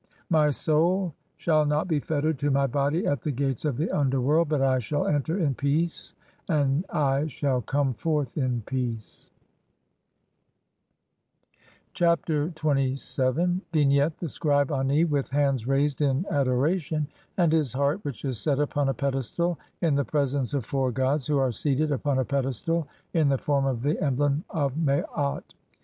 "(g) My soul shall not be fettered to my body at the gates of "the underworld ; but I shall enter in peace and I shall come "forth in peace." Chapter XXVII. [From the Papyrus of Ani (Brit. Mus. No. 10,470, sheets 15 and 16).] Vignette : The scribe Ani, with hands raised in adoration, and his heart, which is set upon a pedestal, in the presence of four gods who are seated upon a pedestal in the form of the emblem of Maat.